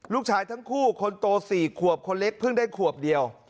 ลูกชายทั้งคู่คนโต๔ขวบคนเล็กเพิ่งได้ขวบเดียว